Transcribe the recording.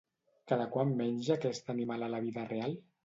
Cada quant menja aquest animal a la vida real?